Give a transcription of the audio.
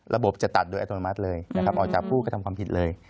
จะตัดโดยอัตโนมัติเลยนะครับออกจากผู้กระทำความผิดเลย